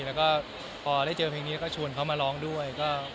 แล้วก็พอได้เจอเพลงนี้ก็ชวนเขามาร้องด้วย